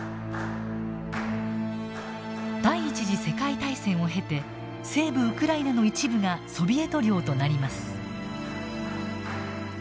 第一次世界大戦を経て西部ウクライナの一部がソビエト領となります。